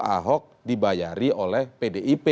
ahok dibayari oleh pdip